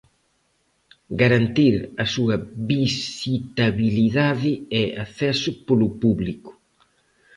Garantir a súa visitabilidade e acceso polo público.